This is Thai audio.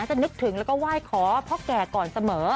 นึกถึงแล้วก็ไหว้ขอพ่อแก่ก่อนเสมอ